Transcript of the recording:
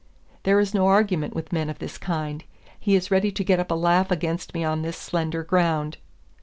There is no argument with men of this kind. He is ready to get up a laugh against me on this slender ground.